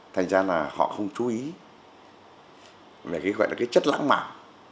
thành ra là họ không chú ý về cái chất lãng mạn